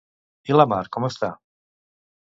I la mar, com està?